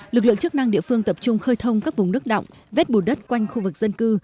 lực lượng chức năng địa phương tập trung khơi thông các vùng nước đọng vết bù đất quanh khu vực dân cư